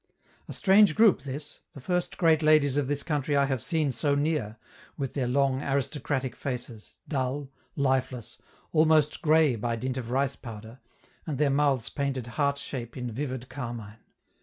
A strange group this, the first great ladies of this country I have seen so near, with their long, aristocratic faces, dull, lifeless, almost gray by dint of rice powder, and their mouths painted heart shape in vivid carmine.